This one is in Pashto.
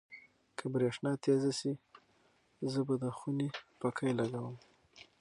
که برېښنا تېزه شي، زه به د خونې پکۍ لګوم.